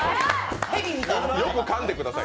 よくかんでください。